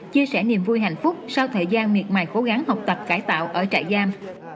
chia sẻ niềm vui hạnh phúc sau thời gian miệt mài cố gắng học tập cải tạo ở trại giam